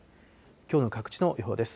きょうの各地の予報です。